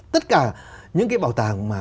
tất cả những cái bảo tàng mà